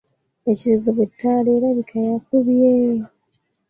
Ekizibu Ettaala erabika yakubye?